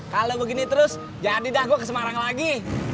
kalau begini terus jadi dah gue ke semarang lagi